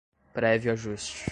prévio ajuste